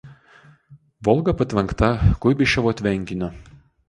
Volga patvenkta Kuibyševo tvenkiniu.